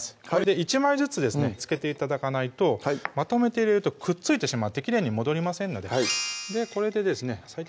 １枚ずつですねつけて頂かないとまとめて入れるとくっついてしまってきれいに戻りませんのでこれでですね最低